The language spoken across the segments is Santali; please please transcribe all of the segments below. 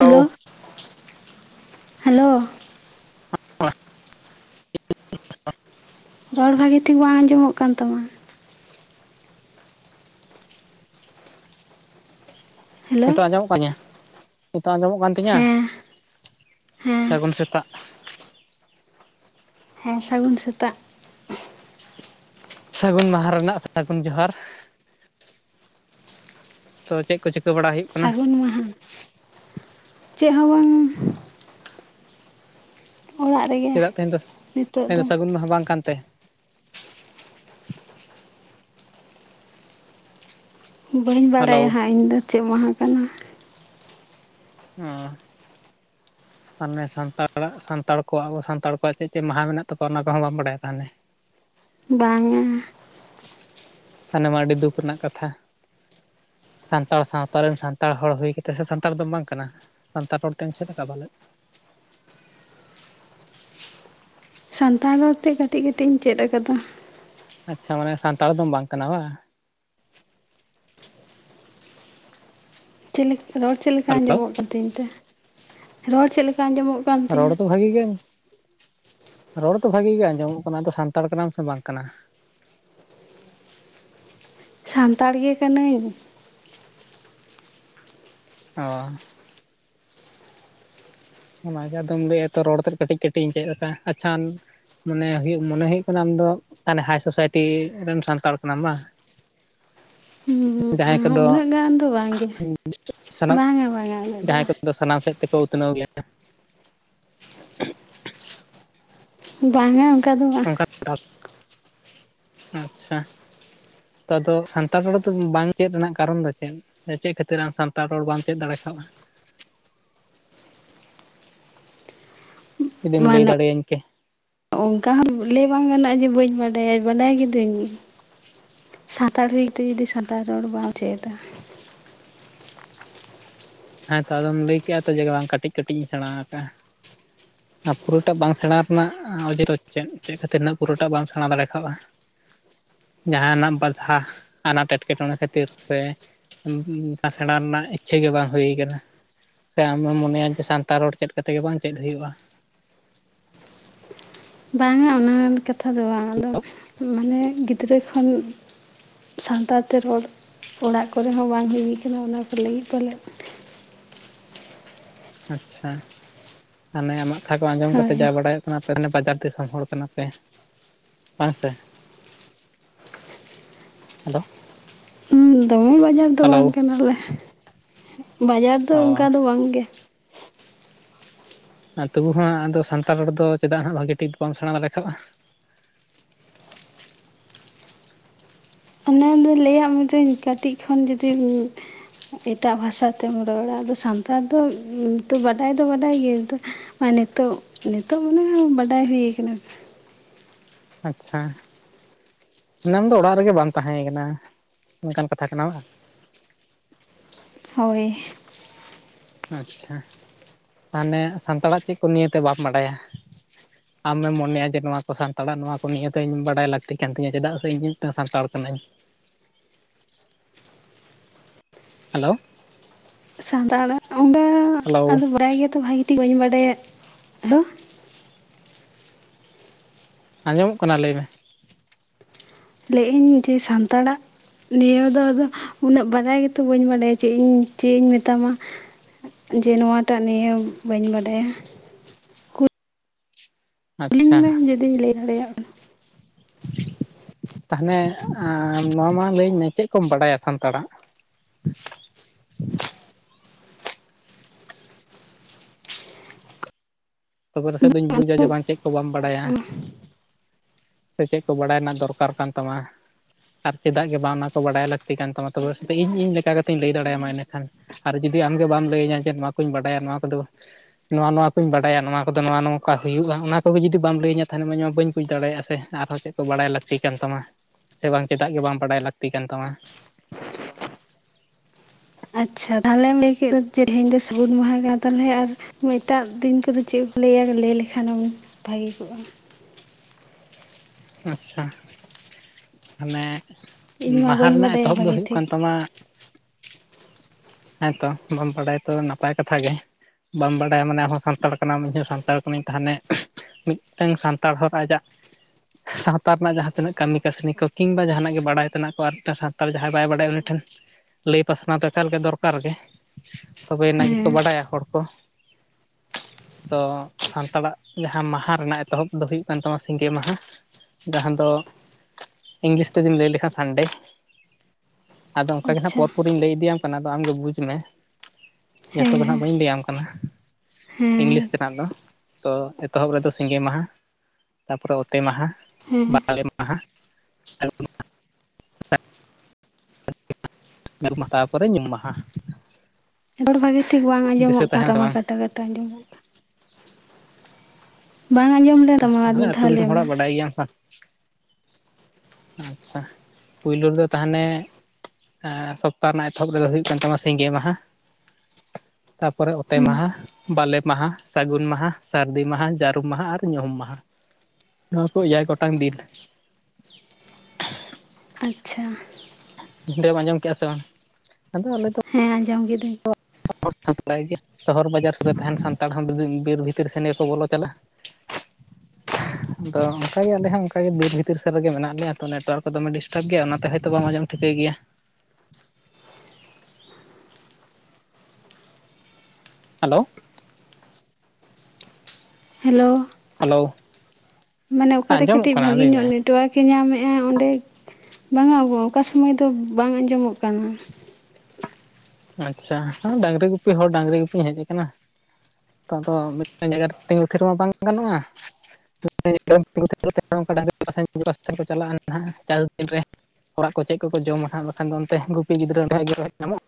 Hello, hello. [inaudible] ᱨᱚᱲ ᱵᱷᱟᱹᱜᱮ ᱴᱷᱤᱠ ᱵᱟᱝ ᱟᱸᱡᱚᱢᱚᱜ ᱠᱟᱱ ᱛᱟᱢᱟ᱾ ᱱᱤᱛᱚᱜ [inaudible] ᱦᱮᱞᱳ ᱱᱤᱛᱚᱜ ᱟᱸᱡᱚᱢᱚᱜ ᱠᱟᱱ ᱛᱤᱧᱟᱹ? ᱦᱮᱸ ᱦᱮᱸ ᱥᱟᱹᱜᱩᱱ ᱥᱮᱛᱟᱜ᱾ ᱦᱮᱸ ᱥᱟᱹᱜᱩᱱ ᱥᱮᱛᱟᱜ᱾ ᱥᱟᱹᱜᱩᱱ ᱢᱟᱦᱟ ᱨᱮᱱᱟᱜ ᱥᱟᱹᱜᱩᱱ ᱡᱚᱦᱟᱨ᱾ ᱛᱚ ᱪᱮᱫ ᱠᱚ ᱪᱤᱠ ᱥᱟᱹᱜᱩᱱ ᱢᱟᱦᱟ, ᱪᱮᱫ ᱦᱚᱸ ᱵᱟᱝ᱾ ᱚᱲᱟᱜ ᱨᱮᱜᱮ ᱪᱮᱫᱟᱜ ᱛᱮᱦᱮᱧ ᱫᱚ, ᱛᱮᱦᱮᱧ ᱫᱚ ᱥᱟᱹᱜᱩᱱ ᱢᱟᱦᱟ ᱵᱟᱝ ᱠᱟᱱ ᱛᱮ? ᱵᱟᱹᱧ ᱵᱟᱲᱟᱭᱟ ᱦᱮᱞᱳ ᱦᱟᱸᱜ ᱤᱧᱫᱚ ᱪᱮᱫ ᱢᱟᱦᱟ ᱠᱟᱱᱟ᱾ ᱚ᱾ ᱛᱟᱢᱮ ᱥᱟᱱᱛᱟᱲᱟᱜ ᱥᱟᱱᱛᱟᱲ ᱠᱚᱣᱟᱜ ᱟᱵᱚ ᱥᱟᱱᱛᱟᱲ ᱠᱚᱣᱟᱜ ᱪᱮᱫ ᱪᱮᱫ ᱢᱟᱦᱟ ᱢᱮᱱᱟᱜ ᱛᱟᱠᱚᱣᱟ ᱚᱱᱟ ᱠᱚᱦᱚᱸ ᱵᱟᱢ ᱵᱟᱲᱟᱭᱟ ᱛᱟᱦᱚᱞᱮ᱾ ᱵᱟᱝᱟ᱾ ᱛᱟᱱᱮ ᱢᱟ ᱟᱹᱰᱤ ᱫᱩᱠ ᱨᱮᱱᱟᱜ ᱠᱟᱛᱷᱟ᱾ ᱥᱟᱱᱛᱟᱲ ᱥᱟᱶᱛᱟ ᱨᱮᱱ ᱥᱟᱱᱛᱟᱲ ᱦᱚᱲ ᱦᱩᱭ ᱠᱟᱛᱮ, ᱥᱮ ᱥᱟᱱᱛᱟᱲ ᱫᱚᱢ ᱵᱟᱝ ᱠᱟᱱᱟ? ᱥᱟᱱᱛᱟᱲ ᱦᱚᱲ ᱛᱮᱢ ᱪᱮᱫ ᱠᱟ ᱯᱟᱞᱮᱫ? ᱥᱟᱱᱛᱟᱲ ᱨᱚᱲ ᱛᱮᱫ ᱠᱟᱹᱴᱤᱡ ᱠᱟᱹᱴᱤᱡ ᱤᱧ ᱪᱮᱫ ᱟᱠᱟᱫᱟ᱾ ᱟᱪᱪᱷᱟ ᱢᱟᱱᱮ ᱥᱟᱱᱛᱟᱲ ᱫᱚᱢ ᱵᱟᱝ ᱠᱟᱱᱟ, ᱵᱟᱝ? ᱪᱮᱞᱮ ᱨᱚᱲ ᱪᱮᱫ ᱞᱮᱠᱟ ᱦᱮᱞᱳ ᱟᱸᱡᱚᱢᱚᱜ ᱠᱟᱹᱱ ᱛᱤᱧ ᱛᱮ? ᱨᱚᱲ ᱪᱮᱫ ᱞᱮᱠᱟ ᱟᱸᱡᱚᱢᱚᱜ ᱠᱟᱱ ᱨᱚᱲ ᱛᱤᱧᱟᱹ ᱫᱚ ᱵᱷᱟᱜᱮ ᱜᱮᱝ ᱨᱚᱲ ᱫᱚ ᱵᱷᱟᱜᱮ ᱜᱮ ᱟᱸᱡᱚᱢᱚᱜ ᱠᱟᱱᱟ ᱟᱫᱚ ᱥᱟᱱᱛᱟᱲ ᱠᱟᱱᱟᱢ ᱥᱮ ᱵᱟᱝ ᱠᱟᱱᱟ? ᱥᱟᱱᱛᱟᱲ ᱜᱮ ᱠᱟᱹᱱᱟᱹᱧ᱾ ᱚ᱾ ᱚᱱᱟ ᱜᱮ ᱟᱫᱚᱢ ᱞᱟᱹᱭᱮᱜᱼᱟ ᱛᱚ ᱨᱚᱲ ᱛᱮᱫ ᱠᱟᱹᱴᱤᱡ ᱠᱟᱹᱴᱤᱡ ᱤᱧ ᱪᱮᱫ ᱠᱟᱜ-ᱟ᱾ ᱟᱪᱪᱷᱟᱱ ᱢᱚᱱᱮ ᱦᱩᱭᱩᱜ ᱢᱚᱱᱮ ᱦᱳᱭᱳᱜ ᱠᱟᱱᱟ ᱟᱢᱫᱚ ᱦᱟᱱᱮ ᱦᱟᱭ ᱥᱳᱥᱟᱭᱴᱤ ᱨᱮᱱ ᱥᱟᱱᱛᱟᱲ ᱠᱟᱱᱟᱢ ᱵᱟᱝ? [inaudible] ᱩᱸ ᱡᱟᱦᱟᱸᱭ ᱮᱸ-ᱦᱮᱸᱜ ᱠᱚᱫᱚ ᱩᱱᱟᱹᱜ ᱜᱟᱱ ᱫᱚ ᱵᱟᱝ ᱜᱮ, ᱵᱟᱝᱟ ᱵᱟᱝᱟ ᱩᱱᱟᱹᱜ ᱫᱚ ᱵᱟᱝ᱾ ᱫᱚ ᱥᱟᱱᱟᱢ ᱥᱮᱫ ᱛᱮᱠᱚ ᱩᱛᱱᱟᱹᱣ ᱜᱮᱭᱟ᱾ ᱵᱟᱝᱟ ᱚᱱᱠᱟ ᱫᱚ ᱵᱟᱝ᱾ [inaudible] ᱟᱪᱪᱷᱟ᱾ ᱛᱚ ᱟᱫᱚ ᱥᱟᱱᱛᱟᱲ ᱨᱚᱲ ᱫᱚ ᱵᱟᱝ ᱪᱮᱫ ᱨᱮᱱᱟᱜ ᱠᱟᱨᱚᱱ ᱫᱚ ᱪᱮᱫ? ᱪᱮᱫ ᱠᱷᱟᱹᱛᱤᱨ ᱟᱢ ᱥᱟᱱᱛᱟᱲ ᱨᱚᱲ ᱵᱟᱢ ᱪᱮᱫ ᱫᱟᱲᱮ ᱠᱟᱣ-ᱟ᱾ ᱡᱩᱫᱤᱢ ᱞᱮᱭ ᱫᱟᱲᱮᱭᱟᱹᱧ ᱠᱮᱭᱟ ᱚᱝᱠᱟ ᱦᱚᱸ ᱞᱟᱹᱭ ᱵᱟᱝ ᱜᱟᱱᱚᱜᱼᱟ ᱡᱮ ᱵᱟᱹᱧ ᱵᱟᱰᱟᱭᱟ, ᱵᱟᱰᱟᱭ ᱜᱮᱫᱩᱧ᱾ ᱥᱟᱱᱛᱟᱲ ᱦᱩᱭ ᱛᱮ ᱡᱩᱫᱤ ᱥᱟᱱᱛᱟᱲ ᱨᱚᱲ ᱵᱟᱢ ᱪᱮᱫᱟ᱾ ᱦᱮᱸ ᱛᱚ ᱟᱫᱚᱢ ᱞᱟᱹᱭ ᱠᱮᱭ-ᱟ ᱛᱚ ᱡᱮᱜ ᱵᱟᱝ ᱠᱟᱹᱴᱤᱡ ᱠᱟᱹᱴᱤᱡ ᱤᱧ ᱥᱮᱬᱟ ᱟᱠᱟᱟᱜᱼᱟ᱾ ᱟ ᱯᱩᱨᱟᱹᱴᱟᱜ ᱵᱟᱝ ᱥᱮᱬᱟ ᱨᱮᱱᱟᱜ ᱚᱡᱮ ᱫᱚ ᱪᱮᱫ, ᱪᱮᱫ ᱠᱷᱟᱹᱛᱤᱨ ᱱᱟᱜ ᱯᱩᱨᱟᱹᱴᱟᱜ ᱵᱟᱢ ᱥᱮᱬᱟ ᱫᱟᱲᱮ ᱠᱟᱣ-ᱟ? ᱡᱟᱦᱟᱸ ᱱᱟᱜ ᱵᱟᱫᱷᱟ ᱟᱱᱟᱴ ᱮᱴᱠᱮᱴᱚᱬᱮ ᱠᱷᱟᱹᱛᱤᱨ, ᱥᱮ ᱩᱸ ᱩᱸ ᱩᱸ ᱠᱟ ᱥᱮᱬᱟ ᱨᱮᱱᱟᱜ ᱤᱪᱪᱷᱟᱹ ᱜᱮ ᱵᱟᱝ ᱦᱩᱭ ᱠᱟᱱᱟ, ᱥᱮ ᱟᱢᱮᱢ ᱢᱚᱱᱮᱭᱟ ᱡᱮ ᱥᱟᱱᱛᱟᱲ ᱨᱚᱲ ᱪᱮᱫ ᱠᱟᱛᱮ ᱜᱮ ᱵᱟᱝ ᱪᱮᱫ ᱦᱩᱭᱩᱜᱼᱟ? ᱵᱟᱝᱟ ᱚᱱᱟ [inaudible] ᱠᱟᱛᱷᱟ ᱫᱚ ᱵᱟᱝ, ᱟᱫᱚ ᱢᱟᱱᱮ ᱜᱤᱫᱽᱨᱟᱹ ᱠᱷᱚᱱ ᱥᱟᱱᱛᱟᱲ ᱛᱮ ᱨᱚᱲ ᱚᱲᱟᱜ ᱠᱚᱨᱮ ᱦᱚᱸ ᱵᱟᱝ ᱦᱩᱭ ᱠᱟᱱᱟ ᱚᱱᱟ ᱠᱚ ᱞᱟᱹᱜᱤᱫ ᱯᱟᱞᱮᱫ᱾ ᱟᱪᱪᱷᱟ ᱟᱱᱮ ᱟᱢᱟᱜ ᱛᱷᱟ ᱠᱚ ᱟᱸᱡᱚᱢ ᱠᱟᱛᱮ ᱦᱳᱭ ᱡᱟ ᱵᱟᱲᱟᱭᱚᱜ ᱠᱟᱱᱟ ᱟᱯᱮ ᱫᱚ ᱵᱟᱡᱟᱨ ᱫᱤᱥᱚᱢ ᱦᱚᱲ ᱠᱟᱱᱟ ᱯᱮ ᱵᱟᱝ ᱥᱮ? ᱦᱮᱞᱳ ᱾ ᱫᱚᱢᱮ ᱵᱟᱡᱟᱨ ᱫᱚ ᱵᱟᱝ ᱠᱟᱱᱟᱞᱮ, ᱵᱟᱡᱟᱨ ᱫᱚ ᱚ ᱚᱱᱠᱟ ᱫᱚ ᱵᱟᱝ ᱜᱮ ᱾ ᱟᱨ ᱛᱚᱵᱩ ᱦᱚᱸ ᱟᱫᱚ ᱥᱟᱱᱛᱟᱲ ᱨᱚᱲ ᱫᱚ, ᱪᱮᱫᱟᱜ ᱦᱟᱸᱜ ᱵᱷᱟᱹᱜᱤ ᱴᱷᱤᱠ ᱵᱟᱢ ᱥᱮᱬᱟ ᱫᱟᱲᱮ ᱠᱟᱣᱼᱟ? ᱚᱱᱟᱫᱚ ᱞᱮᱹᱭᱟᱜ ᱢᱮᱫᱩᱹᱧ ᱠᱟᱹᱴᱤᱡ ᱠᱷᱚᱱ ᱡᱩᱫᱤᱢ ᱮᱴᱟᱜ ᱵᱷᱟᱥᱟ ᱛᱮᱢ ᱨᱚᱲᱟ, ᱟᱫᱚ ᱥᱟᱱᱛᱟᱲ ᱫᱚ ᱛᱚ ᱵᱟᱰᱟᱭ ᱫᱚ ᱵᱟᱰᱟᱭ ᱜᱮᱭᱟ ᱛᱚ ᱦᱚᱭ ᱱᱤᱛᱚᱜ, ᱱᱤᱛᱚᱜ ᱢᱟᱱᱮ ᱵᱟᱰᱟᱭ ᱦᱩᱭ ᱠᱟᱱᱟ ᱾ ᱟᱪᱪᱷᱟ ᱢᱟᱱᱮ ᱟᱢ ᱫᱚ ᱚᱲᱟᱜ ᱨᱮᱜᱮ ᱵᱟᱝ ᱛᱟᱦᱮᱸ ᱠᱟᱱᱟ, ᱚᱱᱠᱟᱱ ᱠᱟᱛᱷᱟ ᱠᱟᱱᱟ ᱵᱟ ᱦᱳᱭ ᱾ ᱟᱪᱪᱷᱟ, ᱛᱟᱦᱚᱞᱮ ᱥᱟᱱᱛᱟᱲᱟᱜ ᱪᱮᱫ ᱠᱚ ᱱᱤᱭᱮᱛᱮ ᱵᱟᱢ ᱵᱟᱰᱟᱭᱟ? ᱟᱢᱮᱢ ᱢᱚᱱᱮᱭᱟ ᱡᱮ ᱱᱚᱣᱟ ᱠᱚ ᱥᱟᱱᱛᱟᱲᱟᱜ ᱱᱚᱣᱟ ᱠᱚ ᱱᱤᱭᱮᱛᱮ ᱤᱧ ᱵᱟᱰᱟᱭ ᱞᱟᱹᱠᱛᱤ ᱠᱟᱱ ᱛᱤᱧᱟ, ᱪᱮᱫᱟᱜ ᱥᱮ ᱤᱧ ᱢᱤᱫᱴᱟᱝ ᱥᱟᱱᱛᱟᱲ ᱠᱟᱹᱱᱟᱹᱧ ᱾ ᱦᱮᱞᱳ ᱾ ᱥᱟᱱᱛᱟᱲᱟᱜ [inaudible] ᱦᱮᱞᱳ ᱟᱫᱚ ᱵᱟᱰᱟᱭ ᱜᱮᱛᱚ ᱵᱷᱟᱜᱤ ᱴᱷᱤᱠ ᱵᱟᱹᱧ ᱵᱟᱰᱟᱭᱟ ᱦᱚ᱾ ᱟᱸᱡᱚᱢᱚᱜ ᱠᱟᱱᱟ ᱞᱟᱹᱭᱢᱮ ᱾ ᱞᱮᱭ ᱤᱧ ᱡᱮ ᱥᱟᱱᱛᱟᱲᱟᱜ ᱱᱤᱭᱮ ᱫᱚ ᱟᱫᱚ ᱩᱱᱟᱹᱜ ᱵᱟᱰᱟᱭ ᱜᱮᱛᱚ ᱵᱟᱹᱧ ᱰᱟᱰᱭᱟ, ᱪᱮᱫ ᱤᱧ ᱪᱮᱫ ᱤᱧ ᱢᱮᱛᱟᱢᱟ? ᱡᱮ ᱱᱚᱣᱟᱴᱟᱜ ᱱᱤᱭᱮ ᱵᱟᱹᱧ ᱵᱟᱰᱟᱭᱟ ᱾ ᱠᱩᱞᱤᱧ ᱢᱮ ᱟᱪᱪᱷᱟ ᱡᱩᱫᱤᱧ ᱞᱟᱹᱭ ᱫᱟᱲᱮᱭᱟᱜ ᱠᱷᱟᱱ ᱛᱟᱦᱚᱱᱮ ᱟᱸ ᱱᱚᱣᱟ ᱢᱟᱲᱟᱝ ᱞᱟᱹᱭᱟᱹᱧ ᱢᱮ ᱪᱮᱫ ᱠᱚᱢ ᱵᱟᱰᱟᱭᱟ ᱥᱟᱱᱛᱟᱲᱟᱜ? ᱛᱚᱵᱮ ᱨᱮᱥᱮᱫ ᱫᱩᱧ ᱵᱩᱡᱟ ᱡᱮ ᱪᱮᱫ ᱠᱚ ᱪᱮᱫ ᱠᱚ ᱵᱟᱢ ᱵᱟᱰᱟᱭᱟ? ᱥᱮ ᱪᱮᱫ ᱠᱚ ᱵᱟᱰᱟᱭ ᱨᱮᱱᱟᱜ ᱫᱚᱨᱠᱟᱨ ᱠᱟᱱ ᱛᱟᱢᱟ? ᱟᱨ ᱪᱮᱫᱟᱜ ᱜᱮ ᱵᱟᱝ ᱚᱱᱟᱠᱚ ᱵᱟᱰᱟᱭ ᱞᱟᱹᱠᱛᱤ ᱠᱟᱱ ᱛᱟᱢᱟ, ᱛᱚᱵᱮ ᱨᱮᱥᱮᱛᱚ ᱤᱧ ᱤᱧ ᱞᱮᱠᱟ ᱠᱟᱛᱮᱧ ᱞᱟᱹᱭ ᱫᱟᱲᱮᱭᱟᱢᱟ ᱮᱱᱮᱠᱷᱟᱱ᱾ ᱟᱨ ᱡᱩᱫᱤ ᱟᱢᱜᱮ ᱵᱟᱢ ᱞᱟᱹᱭᱟᱹᱧᱟ ᱡᱮ ᱱᱚᱣᱟ ᱠᱚᱧ ᱵᱟᱰᱟᱭᱟ ᱱᱚᱣᱟ ᱠᱚᱫᱚ ᱱᱚᱣᱟ ᱱᱚᱣᱟ ᱠᱚᱧ ᱵᱟᱰ ᱵᱟᱰᱟᱭᱟ ᱱᱚᱣᱟ ᱠᱚᱫᱚ ᱱᱚᱣᱟ ᱱᱚᱝᱠᱟ ᱦᱩᱭᱩᱜᱼᱟ ᱚᱱᱟ ᱠᱚᱜᱮ ᱡᱩᱫᱤ ᱵᱟᱢ ᱞᱟᱹᱭᱟᱹᱧᱟᱹ ᱛᱟᱦᱚᱱᱮ ᱢᱟ ᱤᱧ ᱢᱟ ᱵᱟᱹᱧ ᱵᱩᱡᱽ ᱫᱟᱲᱮᱭᱟᱜᱼᱟ ᱥᱮ ᱟᱨᱦᱚᱸ ᱪᱮᱫ ᱠᱚ ᱵᱟᱰᱟᱭ ᱞᱟᱹᱠ ᱛᱤ ᱠᱟᱱ ᱛᱟᱢᱟ ᱥᱮ ᱵᱟᱝ ᱪᱮᱫᱟᱜ ᱜᱮ ᱵᱟᱢ ᱵᱟᱰᱟᱭ ᱞᱟᱹᱠᱛᱤ ᱠᱟᱱ ᱛᱟᱢᱟ? ᱟᱪᱪᱷᱟ ᱛᱟᱦᱚᱞᱮᱢ ᱞᱟᱹᱭ ᱠᱮᱫ ᱫᱚ ᱡᱮ ᱛᱮᱦᱮᱧ ᱫᱚ ᱥᱟᱜᱩᱱ ᱢᱟᱦᱟ ᱠᱮᱫᱟ ᱛᱟᱦᱚᱞᱮ ᱟᱨ ᱮᱴᱟᱜ ᱫᱤᱱ ᱠᱚᱫᱚ ᱪᱮᱫ ᱠᱚ ᱞᱮᱭᱟ? ᱞᱮᱭ ᱞᱮᱠᱷᱟᱱᱮᱢ ᱵᱷᱟᱹᱜᱤ ᱠᱚᱜᱼᱟ? ᱟᱪᱪᱷᱟ, ᱦᱟᱱᱮ ᱤᱧᱢᱟ ᱵᱟᱦᱟ ᱵᱟᱹᱧ ᱨᱮᱱᱟᱜ ᱵᱟᱰᱟᱭᱟ ᱮᱛᱚᱦᱚᱵ ᱫᱚ ᱵᱷᱟᱹᱜᱤ ᱦᱩᱭᱩᱜ ᱴᱷᱤᱠ ᱠᱟᱱ ᱛᱟᱢᱟ ᱦᱮᱸᱛᱚ ᱵᱟᱢ ᱵᱟᱰᱟᱭᱟ ᱛᱚ ᱱᱟᱯᱟᱭ ᱠᱟᱛᱷᱟ ᱜᱮ ᱵᱟᱢ ᱵᱟᱰᱟᱭᱟ ᱢᱟᱱᱮ ᱟᱢᱦᱚᱸ ᱥᱟᱱᱛᱟᱲ ᱠᱟᱱᱟᱢ, ᱤᱧᱦᱚᱸ ᱥᱟᱱᱛᱟᱲ ᱠᱟᱹᱱᱟᱹᱧ ᱛᱟᱦᱚᱱᱮ ᱢᱤᱫᱴᱟᱹᱝ ᱥᱟᱱᱛᱟᱲ ᱦᱚᱲ ᱟᱡᱟᱜ ᱥᱟᱶᱛᱟ ᱨᱮᱱᱟᱜ ᱡᱟᱦᱟᱸ ᱛᱤᱱᱟᱹᱜ ᱠᱟᱹᱢᱤ ᱠᱟᱹᱥᱱᱤ ᱠᱚ ᱠᱤᱝᱵᱟ ᱡᱟᱦᱟᱱᱟᱜ ᱜᱮ ᱵᱟᱰᱟᱭ ᱛᱮᱱᱟᱜ ᱠᱚ ᱟᱨ ᱢᱤᱫᱴᱟᱹᱝ ᱥᱟᱱᱛᱟᱲ ᱡᱟᱦᱟᱸᱭ ᱵᱟᱭ ᱵᱟᱰᱟᱭᱟ ᱩᱱᱤ ᱴᱷᱮᱱ ᱞᱟᱹᱭ ᱯᱟᱥᱱᱟᱣ ᱫᱚ ᱮᱠᱟᱞ ᱜᱮ ᱫᱚᱨ ᱠᱟᱨ ᱜᱮ, ᱛᱚᱵᱮᱭᱱᱟ ᱜᱮᱠᱚ ᱦᱮᱸ ᱵᱟᱰᱟᱭᱟ ᱦᱚᱲ ᱠᱚ ᱾ ᱛᱚ ᱥᱟᱱᱛᱟᱲᱟᱜ ᱡᱟᱦᱟᱸ ᱢᱟᱦᱟ ᱨᱮᱱᱟᱜ ᱮᱛᱚᱦᱚᱵ ᱫᱚ ᱦᱩᱭᱩᱜ ᱠᱟᱱ ᱛᱟᱢᱟ ᱥᱤᱸᱜᱮ ᱢᱟᱦᱟ ᱾ ᱡᱟᱦᱟᱸ ᱫᱚ ᱤᱝᱞᱤᱥ ᱛᱮ ᱡᱩᱫᱤᱢ ᱞᱟᱹᱭ ᱞᱮᱠᱷᱟᱱ ᱥᱟᱱᱰᱮ ᱾ ᱟᱫᱚ ᱚᱱᱠᱟ ᱜᱮ ᱦᱟᱸᱜ ᱟᱪᱪᱷᱟ ᱯᱚᱨ ᱯᱚᱨᱤᱧ ᱞᱟᱹᱭ ᱤᱫᱤᱭᱟᱢ ᱠᱟᱱᱟ ᱟᱫᱚ ᱟᱢᱜᱮ ᱵᱩᱡᱽ ᱢᱮ ᱾ ᱡᱷᱚᱛᱚ ᱫᱚ ᱱᱟᱸᱜ ᱦᱮᱸ ᱵᱟᱹᱧ ᱞᱮᱭᱟᱢ ᱠᱟᱱᱟ ᱾ ᱤᱝᱞᱤᱥ ᱦᱮᱸ ᱛᱮᱱᱟᱜ ᱫᱚ, ᱛᱚ ᱮᱛᱚᱦᱚᱵ ᱨᱮᱫᱚ ᱥᱤᱸᱜᱮ ᱢᱟᱦᱟ ᱛᱟᱯᱚᱨᱮ ᱚᱛᱮ ᱢᱟᱦᱟ, ᱦᱮᱸ ᱵᱟᱞᱮ ᱢᱟᱦᱟ, [unintelligible] [unintelligible] ᱛᱟᱯᱚᱨᱮ ᱧᱩᱦᱩᱢ ᱢᱟᱦᱟ ᱾ ᱨᱚᱲ ᱵᱷᱟᱜᱮ ᱴᱷᱤᱠ ᱵᱟᱝ ᱟᱸᱡᱚᱢᱚᱜ ᱠᱟᱱ ᱛᱟᱢᱟ, ᱠᱟᱴᱟ ᱠᱟᱴᱟ ᱟᱸᱡᱚᱢᱚ ᱠᱟᱱᱟ ᱵᱟᱝ ᱟᱸᱡᱚᱢ ᱞᱮᱱ ᱛᱟᱢᱟ ᱟᱪᱪᱷᱟ ᱟᱨ ᱟᱞᱮ ᱢᱤᱫ ᱟᱹᱛᱩ ᱫᱷᱟᱣ ᱞᱟᱹᱭ ᱫᱤᱥᱚᱢ ᱢᱮ ᱦᱚᱲᱟᱜ ᱵᱟᱰᱟᱭ ᱜᱮᱭᱟᱢ ᱟᱪᱪᱷᱟ ᱯᱩᱭᱞᱩ ᱨᱮᱫᱚ ᱛᱟᱦᱚᱱᱮ ᱮ ᱥᱚᱯᱛᱟ ᱨᱮᱱᱟᱜ ᱮᱛᱚᱦᱚᱵ ᱨᱮᱫᱚ ᱦᱩᱭᱩᱜ ᱠᱟᱱ ᱛᱟᱢᱟ ᱥᱤᱸᱜᱮ ᱢᱟᱦᱟ ᱾ ᱛᱟᱯᱚᱨᱮ ᱚᱛᱮ ᱦᱮᱸ ᱢᱟᱦᱟ ᱾ ᱵᱟᱞᱮ ᱢᱟᱦᱟᱸ, ᱥᱟᱹᱜᱩᱱ ᱢᱟᱦᱟᱸ, ᱥᱟᱹᱨᱫᱤ ᱢᱟᱦᱟᱸ, ᱡᱟᱹᱨᱩᱢ ᱢᱟᱦᱟᱸ ᱟᱨ ᱧᱩᱦᱩᱢ ᱢᱟᱦᱟᱸ᱾ ᱱᱚᱣᱟ ᱠᱚ ᱮᱭᱟᱭ ᱜᱚᱴᱟᱝ ᱫᱤᱱ ᱾ ᱟᱪᱪᱷᱟ ᱾ [unintelligible] ᱟᱸᱡᱚᱢ ᱠᱮᱜᱼᱟ ᱥᱮ ᱵᱟᱝ ᱟᱫᱚ ᱟᱞᱮ ᱫᱚ ᱦᱮᱸ ᱟᱸᱡᱚᱢ ᱠᱤᱫᱟᱹᱧ ᱾ [unintelligible] ᱥᱚᱦᱚᱨ ᱵᱟᱡᱟᱨ ᱥᱮᱨᱮᱱ ᱛᱟᱦᱮᱱ ᱥᱟᱱᱛᱟᱲ ᱦᱚᱸ ᱵᱤᱵᱤᱢ ᱵᱤᱨ ᱵᱷᱤᱛᱨᱤ ᱥᱮᱱ ᱜᱮ ᱠᱚ ᱵᱚᱞᱚ ᱪᱟᱞᱟᱜ [inaudible] ᱟᱫᱚ ᱚᱱᱠᱟ ᱜᱮ ᱟᱞᱮ ᱦᱚᱸ ᱚᱱᱠᱟ ᱜᱮ ᱵᱤᱨ ᱵᱷᱤᱛᱤᱨ ᱥᱮᱫ ᱨᱮᱜᱮ ᱢᱮᱱᱟᱜ ᱞᱮᱭᱟ ᱛᱚ ᱱᱮᱴᱣᱟᱨᱠ ᱠᱚ ᱫᱚᱢᱮ ᱰᱤᱥᱴᱟᱯ ᱜᱮᱭᱟ ᱚᱱᱟᱛᱮ ᱦᱚᱭᱛᱚ ᱵᱟᱢ ᱟᱸᱡᱚᱢ ᱴᱷᱤᱠᱟᱹᱭ ᱜᱮᱭᱟ ᱾ ᱦᱮᱞᱳ ᱾ ᱦᱮᱞᱳ ᱾ ᱦᱮᱞᱳ ᱾ ᱢᱟᱱᱮ ᱚᱠᱟᱨᱮ ᱠᱟᱹᱴᱤᱡ ᱵᱷᱟᱹᱜᱤ ᱧᱚᱜ ᱢᱮ ᱱᱮᱴ ᱱᱴᱣᱟᱨᱠ ᱮ ᱧᱟᱢᱮᱜᱼᱟ ᱚᱸᱰᱮ ᱵᱟᱝᱼᱟ ᱜᱳ ᱚᱠᱟ ᱥᱚᱢᱚᱭ ᱫᱚ ᱵᱟᱝ ᱟᱸᱡᱚᱢᱚᱜ ᱠᱟᱱᱟ ᱾ ᱟᱪᱪᱷᱟ ᱰᱟᱹᱝᱨᱤ ᱜᱩᱯᱤ ᱦᱚᱲ ᱰᱟᱹᱝᱨᱤ ᱜᱩᱯᱤᱧ ᱦᱮᱡ ᱠᱟᱱᱟ ᱾ ᱛᱚ ᱟᱫᱚ ᱢᱤᱫᱴᱮᱱ ᱡᱟᱭᱜᱟ ᱨᱮ ᱛᱤᱸᱜᱩ ᱠᱷᱤᱨᱢᱟ ᱵᱟᱝ ᱜᱟᱱᱚᱜᱼᱟ ᱾ ᱢᱤᱫᱴᱮᱱ ᱡᱟᱭᱜᱟ ᱨᱮ ᱛᱤᱸᱜᱩ ᱛᱷᱤᱨ ᱞᱮᱠᱷᱟᱱ [unintelligible] ᱪᱟᱞᱟᱜᱼᱟ ᱱᱷᱟᱜ ᱪᱟᱞ ᱛᱤᱱᱨᱮ ᱚᱲᱟᱜ ᱠᱚ ᱪᱮᱜ ᱠᱚᱠᱚ ᱡᱚᱢᱟ ᱦᱟᱸᱜ ᱵᱟᱠᱷᱟᱱ ᱚᱱᱛᱮ ᱜᱩᱯᱤ ᱜᱤᱫᱽᱨᱟᱹ ᱜᱷᱟᱡ ᱜᱮ ᱧᱟᱢᱚᱜ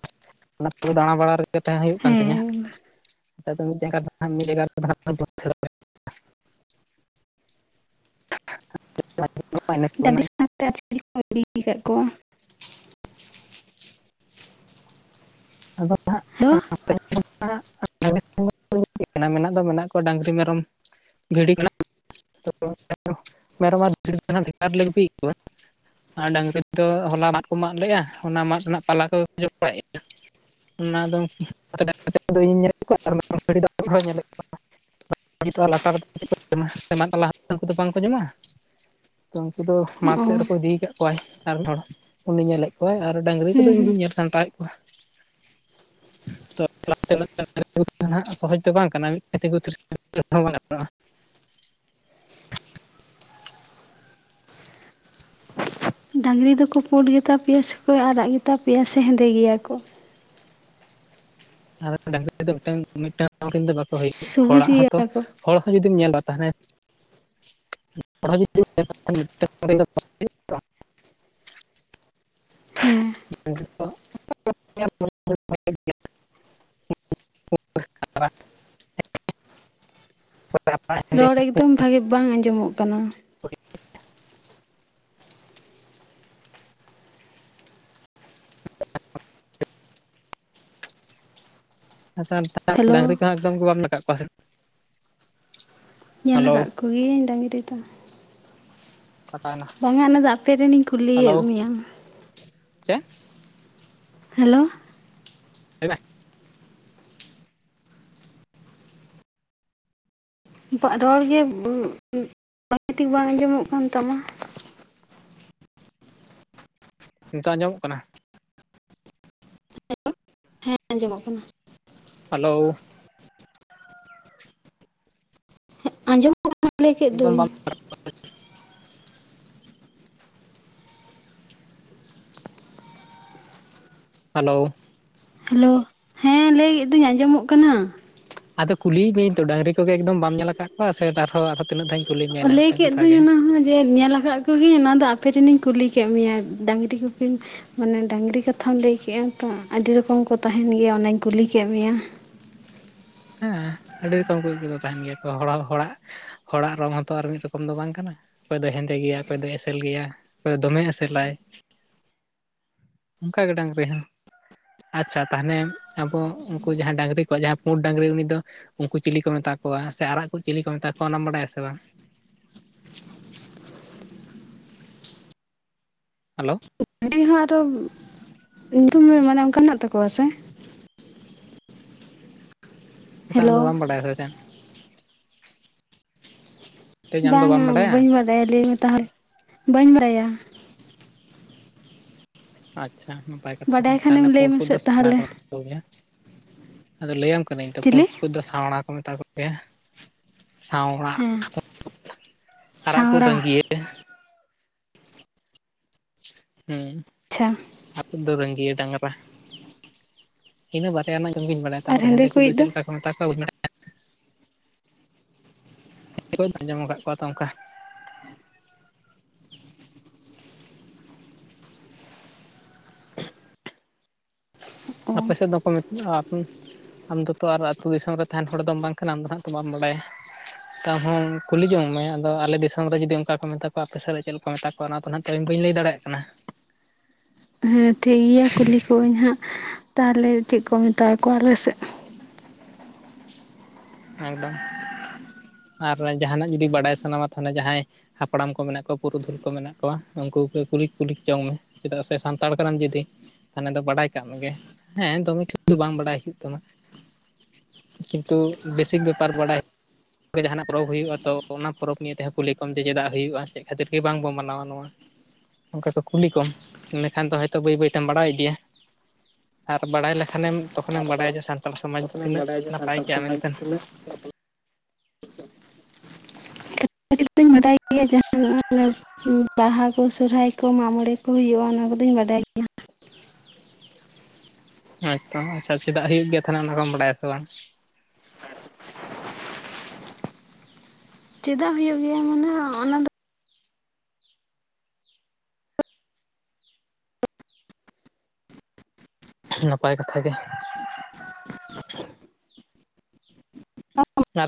ᱚᱱᱟ ᱛᱮᱜᱮ ᱫᱟᱬᱟ ᱵᱟᱲᱟ ᱨᱮᱜᱮ ᱛᱟᱦᱮᱸ ᱦᱩᱭᱩᱜ ᱠᱟᱱ ᱛᱤᱧᱟᱹ ᱾ ᱦᱮᱸ [unintelligible] [unintelligible] ᱰᱟᱹᱝᱨᱤ ᱥᱟᱶᱛᱮ ᱟᱨ ᱪᱤᱞᱤ ᱠᱚᱢ ᱤᱫᱤ ᱠᱟᱜ ᱠᱚᱣᱟ ᱾ ᱟᱫᱚ ᱦᱮᱞᱳ ᱦᱟᱸᱜ [unintelligible] [unintelligible] ᱢᱮᱱᱟᱜ ᱫᱚ ᱠᱚᱣᱟ ᱰᱟᱹᱝᱨᱤ ᱢᱮᱨᱚᱢ ᱵᱷᱤᱰᱤ ᱠᱚ ᱱᱷᱟᱜ [unintelligible] ᱢᱮᱨᱚᱢ ᱟᱨ ᱵᱷᱤᱰᱤ ᱫᱚ ᱱᱷᱟᱜ ᱵᱷᱮᱜᱟᱨ ᱨᱮᱞᱮ ᱜᱩᱯᱤ ᱭᱮᱫ ᱠᱚᱣᱟ ᱾ ᱟᱨ ᱰᱟᱹᱝᱨᱤ ᱫᱚ ᱦᱚᱞᱟ ᱢᱟᱫ ᱠᱚ ᱢᱟᱜ ᱞᱮᱜᱼᱟ ᱚᱱᱟ ᱢᱟᱫ ᱨᱮᱱᱟᱜ ᱯᱟᱞᱟ ᱠᱚ ᱡᱚᱢ ᱵᱟᱲᱟᱭᱮᱜᱼᱟ ᱾ ᱚᱱᱟ ᱫᱚ ᱤᱧ [unintelligible] ᱞᱟᱛᱟᱨ ᱨᱮᱫᱚ ᱪᱮᱫ ᱠᱚ ᱢᱟᱫ [unintelligible] ᱵᱟᱝᱠᱚ ᱡᱚᱢᱟ ᱾ ᱛᱚ ᱩᱱᱠᱩ ᱫᱚ ᱢᱟᱴ ᱚ ᱥᱮᱫ ᱨᱮᱠᱚ ᱤᱫᱤ ᱠᱟᱜ ᱠᱚᱣᱟᱭ ᱟᱨ ᱢᱤᱫ ᱦᱚᱲ ᱾ ᱩᱱᱤ ᱧᱮᱞᱮᱫ ᱠᱚᱣᱟᱭ ᱟᱨ ᱰᱟᱹᱝᱨᱤ ᱠᱚᱫᱚ ᱦᱩᱸ ᱤᱧ ᱦᱩᱸ ᱜᱤᱧ ᱧᱮᱞ ᱥᱟᱢᱴᱟᱣᱮᱫ ᱠᱚᱣᱟ ᱾ ᱛᱚᱜ [unintelligible] ᱥᱚᱦᱚᱡ ᱫᱚ ᱵᱟᱝ ᱠᱟᱱᱟ [unintelligible] ᱰᱟᱹᱝᱨᱤ ᱫᱚᱠᱚ ᱯᱩᱸᱰ ᱜᱮ ᱛᱟᱯᱮᱭᱟ ᱥᱮ ᱟᱨᱟᱜ ᱜᱮ ᱛᱟᱯᱮᱭᱟ ᱥᱮ ᱦᱮᱸᱫᱮ ᱜᱮᱭᱟ ᱠᱚ ᱾ [unintelligible] ᱥᱩᱵᱩᱡ ᱦᱚᱲᱟᱜ ᱦᱚᱸᱛᱚ ᱜᱮᱭᱟ ᱠᱚ ᱦᱚᱲ ᱦᱚᱸ ᱡᱩᱫᱤᱢ ᱧᱮᱞᱟ ᱛᱟᱦᱮᱞᱮ ᱾ [unintelligible] ᱦᱮᱸ [unintelligible] ᱨᱚᱲ ᱮᱠᱫᱚᱢ ᱵᱷᱟᱹᱜᱤ ᱵᱟᱝ ᱟᱸᱡᱚᱢᱚᱜ ᱠᱟᱱᱟ ᱾ [unintelligible] ᱦᱮᱞᱳ ᱰᱟᱹᱝᱨᱤ ᱠᱟᱰᱟ ᱮᱠᱫᱚᱢ ᱜᱮ ᱵᱟᱢ [unintelligible] ᱧᱮᱞ ᱟᱠᱟᱜ ᱠᱚᱜᱮᱭᱟᱹᱧ ᱰᱟᱹᱝᱨᱤ ᱫᱚ ᱾ ᱠᱟᱴᱟᱣᱮᱱᱟ ᱵᱟᱝᱼᱟ ᱟᱞᱮ ᱫᱚ ᱟᱯᱮᱨᱮᱱᱤᱧ ᱠᱩᱞᱤᱭᱮᱫ ᱢᱮᱭᱟ ᱾ ᱪᱮᱜ? ᱦᱮᱞᱳ, ᱞᱟᱹᱭ ᱢᱮ ᱾ ᱵᱟᱜ ᱨᱚᱲ ᱜᱮ [unintelligible] ᱵᱷᱟᱹᱜᱤ ᱴᱷᱤᱠ ᱵᱟᱝ ᱟᱸᱡᱚᱢᱚᱜ ᱠᱟᱱ ᱛᱟᱢᱟ ᱾ ᱱᱤᱛᱚᱜ ᱟᱸᱡᱚᱢᱚᱜ ᱠᱟᱱᱟ ᱾ ᱦᱮᱸ ᱟᱸᱡᱚᱢᱚᱜ ᱠᱟᱱᱟ ᱾ ᱦᱮᱞᱳ ᱟᱸᱡᱚᱢ ᱠᱟᱱᱟ ᱞᱟᱹᱭ ᱠᱮᱫ ᱮᱠᱫᱚᱢ ᱫᱩᱧ ᱵᱟᱢ ᱾ ᱦᱮᱞᱳ, ᱦᱮᱞᱳ ᱦᱮᱸ, ᱞᱟᱹᱭ ᱮᱫ ᱫᱩᱧ ᱟᱸᱡᱚᱢᱚᱜ ᱠᱟᱱᱟ ᱾ ᱟᱫᱚ ᱠᱩᱞᱤᱜ ᱢᱤᱭᱟᱹᱧ ᱛᱚ ᱰᱟᱝᱨᱤ ᱠᱚᱜᱮ, ᱮᱠᱫᱚᱢ ᱵᱟᱢ ᱧᱮᱞ ᱠᱟᱜ ᱠᱚᱣᱟ ᱥᱮ, ᱴᱟᱨᱦᱚᱸ ᱟᱫᱚ ᱛᱤᱱᱟᱹᱜ ᱫᱷᱟᱧ ᱞᱟᱹᱭ ᱠᱮᱫ ᱫᱩᱧ ᱚᱱᱟ ᱦᱚᱸ, ᱡᱮ ᱧᱮᱞ ᱠᱟᱫ ᱠᱚᱜᱮ ᱤᱧ ᱚᱱᱟᱫᱚ, ᱟᱯᱮ ᱨᱮᱱ ᱤᱧ ᱠᱩᱞᱤ ᱠᱮᱜ ᱢᱮᱭᱟ ᱰᱟᱝᱨᱤ ᱜᱩᱯᱤᱢ ᱢᱟᱱᱮ ᱰᱟᱝᱨᱤ ᱠᱟᱛᱷᱟᱢ ᱞᱟᱹᱭ ᱠᱮᱭᱟᱜ ᱛᱚ, ᱟᱹᱰᱤ ᱨᱚᱠᱚᱢ ᱠᱚ ᱛᱟᱦᱮᱱ ᱜᱮᱭᱟ, ᱚᱱᱟᱧ ᱠᱩᱞᱤ ᱠᱮᱫ ᱢᱮᱭᱟ ᱾ ᱦᱮᱸ ᱟᱹᱰᱤ ᱨᱚᱠᱚᱢ ᱠᱚ ᱠᱚᱫᱚ ᱛᱟᱦᱮᱱ ᱜᱮᱭᱟ ᱠᱚ, ᱦᱚᱲᱚ ᱦᱚᱲᱟᱜ ᱦᱚᱲᱟᱜ ᱨᱚᱝ ᱦᱚᱸᱛᱚ, ᱟᱨ ᱢᱤᱫ ᱨᱚᱠᱚᱢ ᱫᱚ ᱵᱟᱝ ᱠᱟᱱᱟ ᱾ ᱚᱠᱚᱭ ᱫᱚ ᱦᱮᱸᱫᱮ ᱜᱮᱭᱟ, ᱚᱠᱚᱭ ᱫᱚ ᱮᱥᱮᱞ ᱜᱮᱭᱟ, ᱚᱠᱚᱭ ᱫᱚ ᱫᱚᱢᱮ ᱮᱥᱮᱞᱟᱭ ᱾ ᱚᱝᱠᱟ ᱜᱮ ᱰᱟᱝᱨᱤ ᱦᱚᱸ ᱾ ᱟᱪᱪᱷᱟ ᱛᱟ ᱦᱟᱱᱮ ᱟᱵᱚ ᱩᱝᱠᱩ, ᱡᱟᱦᱟᱸ ᱰᱟᱝᱨᱤ ᱠᱚᱣᱟᱜ ᱡᱟᱦᱟᱸ ᱯᱩᱸᱰᱼᱼ ᱰᱟᱝᱨᱤ ᱩᱱᱤ ᱫᱚ ᱩᱱᱠᱩ ᱪᱤᱞᱤ ᱠᱚ ᱢᱮᱛᱟ ᱠᱚᱣᱟ, ᱥᱮ ᱟᱨᱟᱜ ᱠᱚ ᱪᱤᱞᱤ ᱠᱚ ᱢᱮᱛᱟ ᱠᱚᱣᱟ, ᱚᱱᱟᱢ ᱵᱟᱰᱟᱭᱟ ᱥᱮ ᱵᱟᱝ? ᱦᱮᱞᱳᱼᱼ ᱢᱤᱦᱩᱣᱟᱜ ᱫᱚ ᱧᱩᱛᱩᱢ ᱢᱟᱱᱮ ᱚᱱᱠᱟ ᱢᱮᱱᱟᱜ ᱛᱟᱠᱚᱣᱟ ᱥᱮ? ᱚᱝᱠᱟ ᱟᱢ ᱦᱮᱞᱳ ᱫᱚ ᱵᱟᱢ ᱵᱟᱰᱟᱭᱟ ᱥᱮ ᱪᱮᱜ? ᱛᱮᱦᱮᱧ ᱟᱢ ᱫᱚ ᱵᱟᱢ ᱵᱟᱝᱟ ᱵᱟᱹᱧ ᱵᱟᱰᱟᱭᱟ, ᱞᱟᱹᱭᱢᱮ ᱛᱟᱦᱚᱞᱮ ᱵᱟᱹᱧ ᱵᱟᱰᱟᱭᱟ ᱾ ᱟᱪᱪᱷᱟ ᱱᱟᱯᱟᱭ ᱠᱟᱛᱷᱟ ᱜᱮ, ᱵᱟᱰᱟᱭ ᱛᱟᱸᱦᱱᱮ ᱠᱷᱟᱱᱮᱢ ᱞᱟᱹᱭ ᱯᱩᱸᱰ ᱢᱮᱥᱮ ᱠᱚᱫᱚ [unintelligible] ᱥᱟᱣᱲᱟ ᱠᱚ ᱛᱟᱦᱚᱞᱮ ᱢᱮᱛᱟ ᱠᱚᱜᱮᱭᱟ, ᱟᱫᱚ ᱞᱟᱹᱭᱟᱢ ᱼᱼ ᱠᱟᱹᱱᱟᱹᱧ ᱛᱚ, ᱯᱩᱰ ᱪᱤᱞᱤ ᱠᱚ ᱫᱚ ᱥᱟᱸᱣᱲᱟ ᱠᱚ ᱢᱮᱛᱟ ᱠᱚᱜᱮᱭᱟ ᱾ ᱥᱟᱶᱲᱟ ᱦᱮᱸ ᱟᱨᱟᱜ ᱠᱚᱫᱚ ᱥᱟᱣᱲᱟ ᱨᱺᱜᱤᱭᱟᱹ ᱦᱩᱸ, ᱪᱷᱟ, ᱟ ᱫᱚ ᱨᱟᱹᱝᱜᱭᱟᱹ ᱰᱟᱝᱨᱟ ᱾ ᱤᱱᱟᱹ ᱵᱟᱨᱭᱟ ᱨᱮᱱᱟᱜ ᱧᱩᱛᱩᱢ ᱜᱤᱧ ᱵᱟᱲᱟᱭᱼᱟ, ᱟᱨ ᱛᱟᱯᱚᱨᱮ ᱦᱮᱸᱫᱮ ᱦᱮᱸᱜᱮ ᱠᱚᱫᱚ, ᱠᱚᱭᱤᱡ ᱫᱚ ᱪᱮᱫ ᱞᱮᱠᱟ ᱠᱚ ᱼᱼ ᱢᱮᱛᱟ ᱠᱚᱣᱟ ᱵᱟᱧ ᱵᱟᱲᱟᱭᱟ ᱵᱟᱹᱧ [unintelligible] ᱟᱸᱡᱚᱢ ᱠᱟᱫ ᱠᱚᱣᱟ ᱛᱚ ᱚᱝᱠᱟᱼᱼ ᱚ ᱟᱯᱮ ᱥᱮᱫ ᱫᱚᱠᱚ ᱢᱮᱛᱼᱟ ᱟᱯᱩ ᱢᱼᱼ ᱟᱢ ᱫᱚᱛᱚ ᱟᱨ ᱟᱹᱛᱩ ᱫᱤᱥᱚᱢ ᱨᱮ, ᱛᱟᱦᱮᱱ ᱦᱚᱲ ᱫᱚᱢ ᱵᱟᱝ ᱠᱟᱱᱟ, ᱟᱢ ᱫᱚ ᱦᱟᱸᱜ ᱛᱚ ᱵᱟᱢ ᱵᱟᱰᱟᱭᱟ ᱾ ᱛᱟᱦᱚᱸ ᱠᱩᱞᱤ ᱡᱚᱝ ᱢᱮ, ᱟᱫᱚ ᱟᱞᱮ ᱫᱤᱥᱚᱢ ᱨᱮ ᱡᱩᱫᱤ ᱚᱱᱠᱟ ᱠᱚ ᱢᱮᱛᱟ ᱠᱚᱣᱟ, ᱟᱯᱮ ᱥᱮᱫ ᱨᱮ ᱪᱮᱫ ᱞᱮᱠᱟ ᱠᱚ ᱢᱮᱛᱟᱠ? ᱠᱚᱣᱟ, ᱚᱱᱟ ᱱᱟᱛᱮ ᱵᱟᱹᱧ ᱞᱟᱹᱭ ᱫᱟᱲᱮᱭᱟᱜ ᱠᱟᱱᱟ ᱾ ᱦᱮᱸ ᱴᱷᱤᱠ ᱜᱮᱭᱟ, ᱠᱩᱞᱤ ᱠᱚᱣᱟᱹᱧ ᱦᱟᱸᱜ ᱛᱟᱦᱚᱞᱮ ᱪᱮᱫ ᱠᱚ ᱢᱮᱛᱟᱣᱟ ᱠᱚᱣᱟ, ᱟᱞᱮᱥᱮᱫ ᱾ ᱮᱠᱫᱚᱢ, ᱟᱨ ᱡᱟᱦᱟᱱᱟᱜ ᱡᱩᱫᱤ ᱵᱟᱲᱟᱭ ᱥᱟᱱᱟᱢᱟ ᱛᱟᱦᱚᱞᱮ ᱡᱟᱦᱟᱸᱭ ᱦᱟᱯᱲᱟᱢ ᱠᱚ ᱢᱮᱱᱟᱜ ᱠᱚᱣᱟ, ᱯᱩᱨᱩᱫᱷᱩᱞ ᱠᱚ ᱢᱮᱱᱟᱜ ᱠᱚᱣᱟ, ᱩᱱᱠᱩ ᱠᱚ ᱠᱩᱞᱤᱠ ᱠᱩᱞᱤᱠ ᱡᱚᱝ ᱢᱮ ᱾ ᱪᱮᱫᱟᱜ ᱥᱮ ᱥᱟᱱᱛᱟᱲ ᱠᱟᱱᱟᱢ ᱡᱩᱫᱤ᱾ ᱛᱟᱦᱚᱱᱮ ᱫᱚ ᱵᱟᱲᱟᱭ ᱠᱟᱜ ᱢᱮᱜᱮ, ᱦᱮᱸ ᱫᱚᱢᱮ [unintelligible] ᱫᱚ ᱵᱟᱝ ᱵᱟᱲᱟᱭ ᱦᱳᱭᱩᱜ ᱛᱟᱢᱟ ᱾ ᱠᱤᱱᱛᱩ ᱵᱮᱥᱤᱠ ᱵᱮᱯᱟᱨ ᱵᱟᱰᱟᱭ᱾ ᱫᱚ ᱡᱟᱸᱦᱟᱱᱟᱜ ᱯᱚᱨᱚᱵ ᱦᱳᱭᱩᱜᱼᱟ, ᱛᱚ ᱚᱱᱟ ᱯᱚᱨᱚᱵ ᱱᱤᱭᱟᱹ ᱛᱮᱦᱚᱸ ᱠᱩᱞᱤ ᱠᱚᱢ ᱡᱮ, ᱪᱮᱫᱟᱜ ᱦᱳᱭᱩᱜᱼᱟ ᱪᱮᱫ ᱠᱷᱟᱹᱛᱤᱨ ᱜᱮ ᱵᱟᱝᱵᱚᱱ ᱢᱟᱱᱟᱣᱟ ᱱᱚᱣᱟ ᱾ ᱚᱱᱠᱟ ᱠᱚ ᱠᱩᱞᱤ ᱠᱚᱢ, ᱤᱱᱟᱹᱠᱷᱟᱱ ᱫᱚ ᱦᱚᱭᱛᱚ, ᱵᱟᱹᱭ ᱵᱟᱹᱭᱛᱮᱢ ᱵᱟᱲᱟᱭ ᱤᱫᱤᱭᱟ ᱾ ᱟᱨ ᱵᱟᱲᱟᱭ ᱞᱮᱠᱷᱟᱱᱮᱢ, ᱛᱚᱠᱷᱚᱱᱮᱢ ᱵᱟᱲᱟᱭᱟ ᱡᱮ ᱥᱟᱱᱛᱟᱲ ᱥᱚᱢᱟᱡᱽ ᱫᱚ ᱩᱱᱟ‌ᱜ-ᱮᱢ ᱛᱤᱱᱟᱹᱜ ᱵᱟᱰᱟᱭᱟ ᱡᱮ ᱱᱟᱯᱟᱭ ᱥᱟᱱᱛᱟᱲ ᱜᱮᱭᱟ ᱥᱚᱢᱟᱡᱽ ᱢᱮᱱᱛᱮ ᱵᱚᱞᱮ [unintelligible] [unintelligible] ᱠᱟᱴᱤᱡ ᱠᱟᱴᱤᱡ ᱵᱟᱰᱟᱭ ᱜᱮᱭᱟ [inaudible] ᱡᱟᱦᱟᱸ [inaudible] ᱵᱟᱦᱟ ᱠᱚ, ᱥᱨᱦᱟᱭ ᱠᱚ, ᱢᱟᱜᱼᱢᱚᱬᱮ ᱠᱚ, ᱦᱳᱭᱳᱜᱼᱟ, ᱚᱱᱟ ᱠᱚᱫᱩᱧ ᱵᱟᱰᱟᱭ ᱜᱮᱭᱟ ᱾ ᱦᱳᱭᱛᱚ ᱟᱪᱪᱷᱟ, ᱪᱮᱫᱟᱜ ᱦᱳᱭᱳᱜ ᱜᱮᱭᱟ, ᱛᱟᱦᱚᱞᱮ ᱚᱱᱟ ᱠᱚᱢ ᱵᱟᱰᱟᱭᱟ ᱥᱮ ᱵᱟᱝ? ᱪᱮᱫᱟᱜ ᱦᱳᱭᱳᱜ ᱜᱮᱭᱟ ᱢᱟᱱᱮ ᱚᱱᱟ ᱫᱚᱼᱼ ᱱᱟᱯᱟᱭ ᱠᱟᱛᱷᱟ ᱜᱮ ᱾ [unintelligible]